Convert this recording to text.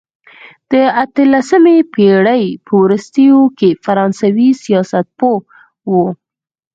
د اتلسمې پېړۍ په وروستیو کې فرانسوي سیاستپوه وو.